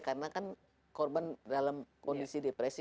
karena kan korban dalam kondisi depresi